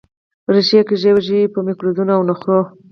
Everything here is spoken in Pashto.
ریښې کږې وږې په مکیزونو او نخرو